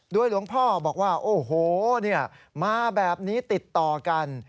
หลวงพ่อบอกว่าโอ้โหมาแบบนี้ติดต่อกัน